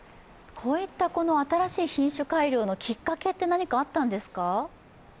こういった新しい品種改良のきっかけって何かあるんですか？